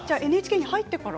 ＮＨＫに入ってから？